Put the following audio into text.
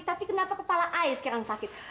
tapi kenapa kepala air sekarang sakit